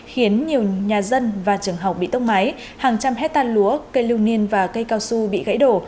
khiến nhiều nhà dân và trường học bị tốc mái hàng trăm hết tan lúa cây lưu niên và cây cao su bị gãy đổ